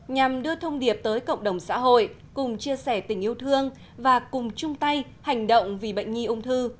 nhằm đưa thông điệp tới cộng đồng xã hội cùng chia sẻ tình yêu thương và cùng chung tay hành động vì bệnh nhi ung thư